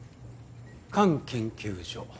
菅研究所。